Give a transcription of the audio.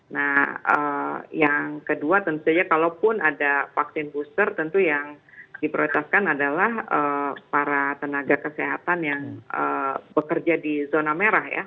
nah yang kedua tentu saja kalaupun ada vaksin booster tentu yang diprioritaskan adalah para tenaga kesehatan yang bekerja di zona merah ya